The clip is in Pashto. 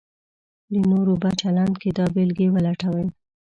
د نورو په چلند کې دا بېلګې ولټوئ: